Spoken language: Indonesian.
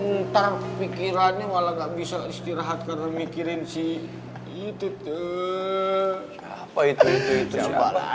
ntar pikirannya malah nggak bisa istirahat karena mikirin sih itu tuh apa itu itu itu